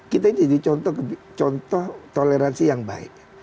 kita ini jadi contoh toleransi yang baik